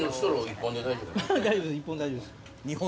１本で大丈夫です。